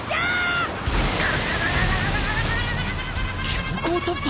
強行突破！？